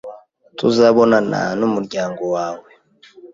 Tuzabonana numuryango wawe